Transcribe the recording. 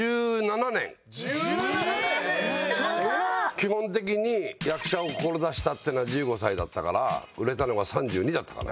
基本的に役者を志したっていうのは１５歳だったから売れたのが３２だったからね。